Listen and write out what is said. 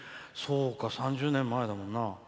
そうか３０年前だもんな。